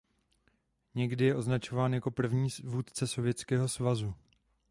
Někdy je označován jako první vůdce Sovětského svazu.